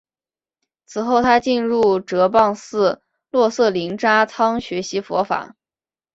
此后他进入哲蚌寺洛色林扎仓学习佛法。